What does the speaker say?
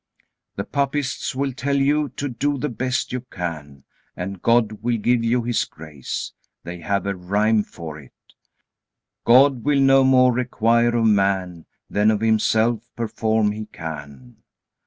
The papists will tell you to do the best you can, and God will give you His grace. They have a rhyme for it: "God will no more require of man, Than of himself perform he can."